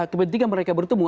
ketika mereka bertemu